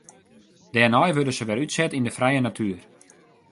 Dêrnei wurde se wer útset yn de frije natuer.